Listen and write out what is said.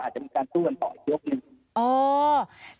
อาจจะมีการสู้กันต่ออีกยกหนึ่ง